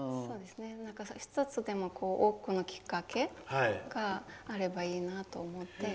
１つでも多くのきっかけがあればいいなと思って。